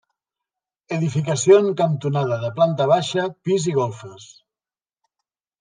Edificació en cantonada de planta baixa, pis i golfes.